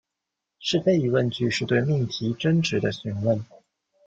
是非疑问句是对命题真值的询问。